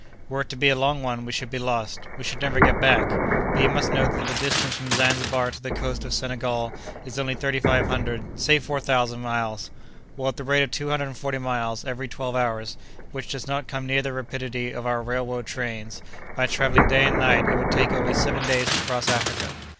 Were it to be a long one, we should be lost; we should never get back. But you must know that the distance from Zanzibar to the coast of Senegal is only thirty five hundred—say four thousand miles. Well, at the rate of two hundred and forty miles every twelve hours, which does not come near the rapidity of our railroad trains, by travelling day and night, it would take only seven days to cross Africa!"